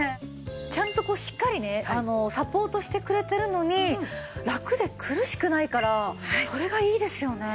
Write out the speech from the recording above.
ちゃんとこうしっかりねサポートしてくれてるのにラクで苦しくないからそれがいいですよね。